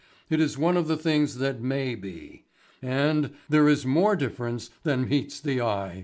It is one of the things that may be. And there is more difference than meets the eye."